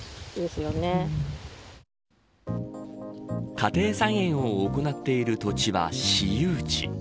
家庭菜園を行っている土地は私有地。